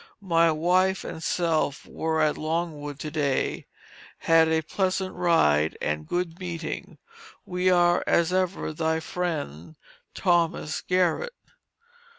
My wife and self were at Longwood to day, had a pleasant ride and good meeting. We are, as ever, thy friend, THOS. GARRETT.